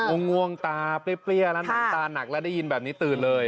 ง่วงตาเปรี้ยแล้วหนังตาหนักแล้วได้ยินแบบนี้ตื่นเลย